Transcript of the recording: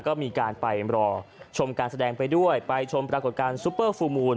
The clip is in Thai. ก็มีการไปรอชมการแสดงไปด้วยไปชมปรากฏการณซุปเปอร์ฟูลมูล